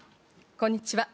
こんにちは。